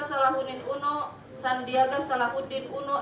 salahuddin uno sandiaga salahuddin uno